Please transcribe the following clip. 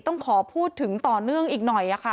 ต้องขอพูดถึงต่อเนื่องอีกหน่อยค่ะ